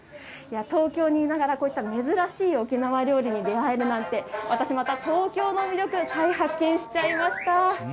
東京にいながらこうした珍しい沖縄料理にも出会えるなんて私もまた東京の魅力、再発見してしまいました。